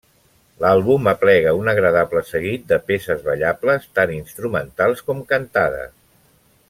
L’àlbum aplega un agradable seguit de peces ballables, tant instrumentals com cantades.